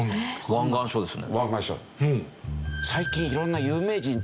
湾岸署ですね。